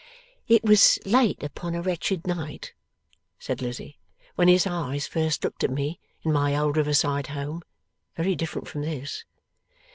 'It was late upon a wretched night,' said Lizzie, 'when his eyes first looked at me in my old river side home, very different from this.